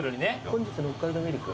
本日の北海道ミルク。